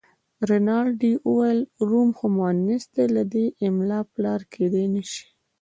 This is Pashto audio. رینالډي وویل: روم خو مونث دی، له دې امله پلار کېدای نه شي.